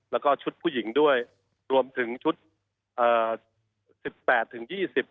แล้วก็ชุดผู้หญิงด้วยรวมถึงชุดเอ่อสิบแปดถึงยี่สิบ